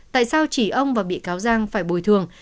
tại sao chỉ ông và bị cáo giang phải bồi thường